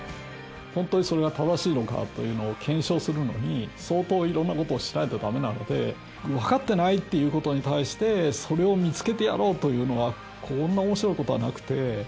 ホントにそれが正しいのかというのを検証するのに相当いろんなことをしないとだめなので分かってないっていうことに対してそれを見つけてやろうというのはこんなおもしろいことはなくて。